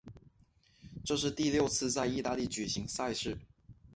这是第六次在意大利举行赛事。